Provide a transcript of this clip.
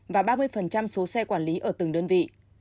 và ba mươi số xe quản lý ở từng đơn vị